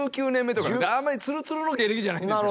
あんまりツルツルの芸歴じゃないんですよ。